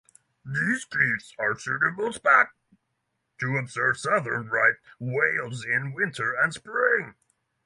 These cliffs are suitable spot to observe southern right whales in winter and spring.